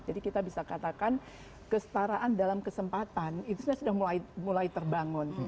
jadi kita bisa katakan kesetaraan dalam kesempatan itu sudah mulai terbangun